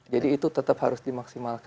jadi itu tetap harus dimaksimalkan